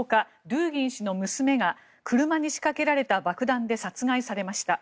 ドゥーギン氏の娘が車に仕掛けられた爆弾で殺害されました。